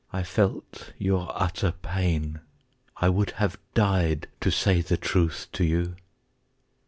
I felt your utter pain. I would have died to say the truth to you.